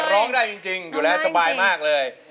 ร้องได้จริงอยู่แล้วสบายมากเลย